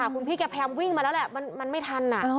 คุณพี่แกพยายามวิ่งมาแล้วแหละมันไม่ทัน